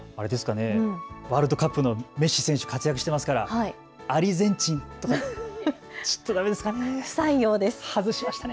ワールドカップのメッシ選手、活躍していますからアルゼンチンとか、だめですかね。